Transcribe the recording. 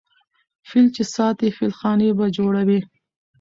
ـ فيل چې ساتې فيلخانې به جوړوې.